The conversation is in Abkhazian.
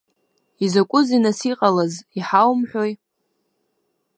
Изакәызеи нас иҟалаз, иҳаумҳәои.